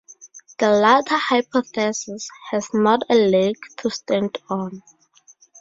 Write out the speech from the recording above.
The latter hypothesis has not a leg to stand on.